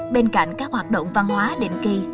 bên cạnh các hoạt động văn hóa định kỳ